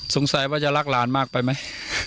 สงสัยว่าจะรักหลานมากไปไหม